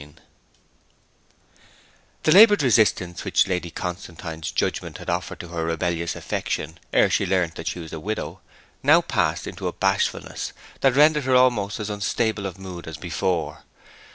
XIV The laboured resistance which Lady Constantine's judgment had offered to her rebellious affection ere she learnt that she was a widow, now passed into a bashfulness that rendered her almost as unstable of mood as before.